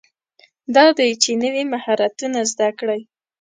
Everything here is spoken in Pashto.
دا دی چې نوي مهارتونه زده کړئ.